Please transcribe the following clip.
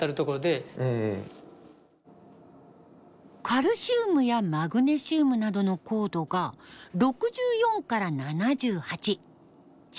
カルシウムやマグネシウムなどの硬度が６４から７８中